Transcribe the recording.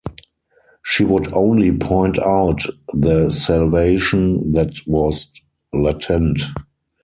She would only point out the salvation that was latent.